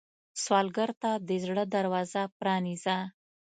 سوالګر ته د زړه دروازه پرانیزه